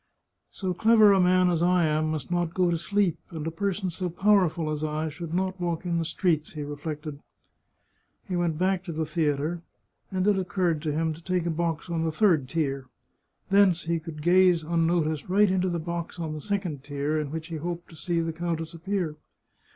" So clever a man as I am must not go to sleep, and a person so powerful as I should not walk in the streets," he reflected. He went back to the theatre, and it occurred to him to take a box on the third tier. Thence he could gaze unnoticed right into the box on the second tier, in which he hoped to see the countess appear.